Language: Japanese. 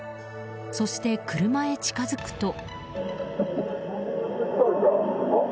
そして車へ近づくと。